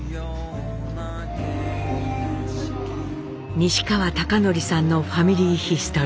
西川貴教さんの「ファミリーヒストリー」。